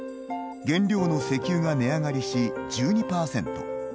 原料の石油が値上がりし、１２％。